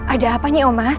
ada apanya umas